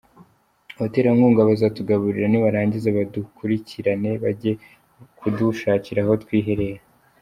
Abaterankunga bazatugaburira nibarangiza badukurikirane bajye kudushakira aho twiherera?